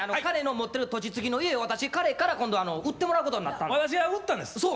彼の持ってる土地つきの家を私彼から今度売ってもらうことになったんです。